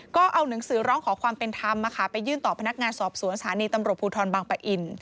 ก็เอาหนังสือร้องขอความเป็นธรรมไปยื่นต่อพนักงานสอบสวนสถานีตำรวจภูทรบางปะอิน